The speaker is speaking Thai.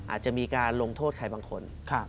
อาจจะมีการลงโทษใครบางคน